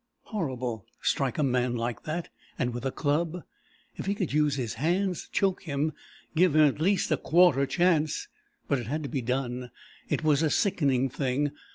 Horrible! Strike a man like that and with a club! If he could use his hands, choke him, give him at least a quarter chance. But it had to be done. It was a sickening thing.